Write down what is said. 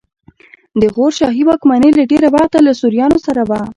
د غور شاهي واکمني له ډېره وخته له سوریانو سره وه